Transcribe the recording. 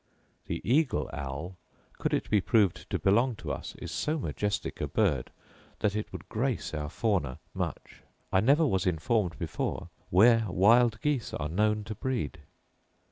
The eagle owl, could it be proved to belong to us, is so majestic a bird that it would grace our fauna much. I never was informed before where wild geese are known to breed.